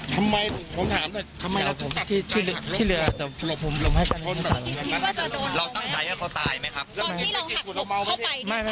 ตั้งใจจะชวนให้เขาตายไหมครับ